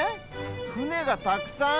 ふねがたくさん。